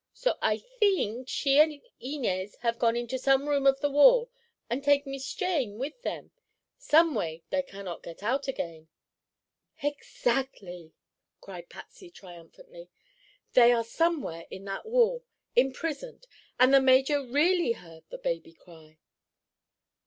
So I theenk she and Inez have go into some room of the wall an' take Mees Jane with them. Some way, they cannot get out again." "Exactly!" cried Patsy triumphantly. "They are somewhere in that wall, imprisoned, and the major really heard the baby cry."